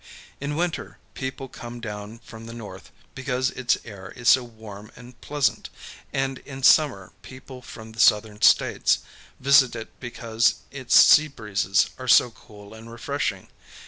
In winter people come down from the North because its air is so warm and pleasant, and in summer people from the Southern States visit it because its sea breezes are so cool and refreshing.